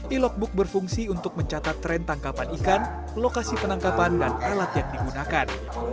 e logbook berfungsi untuk mencatat tren tangkapan ikan lokasi penangkapan dan alat yang digunakan